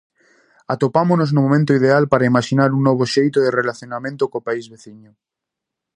Atopámonos no momento ideal para imaxinar un novo xeito de relacionamento co país veciño.